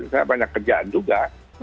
saya banyak kerjaan juga